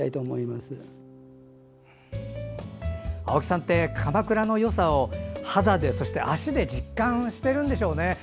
青木さんって鎌倉のよさを肌で、そして足で実感しているんでしょうね。